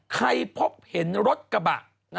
พบเห็นรถกระบะ